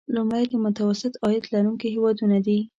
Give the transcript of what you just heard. لومړی د متوسط عاید لرونکي هیوادونه دي.